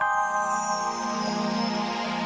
soalnya menyane di tengahku untuk pahlawan kamu